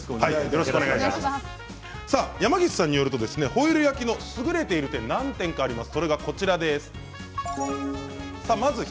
山岸さんによるとホイル焼きの優れている点、何点かあります。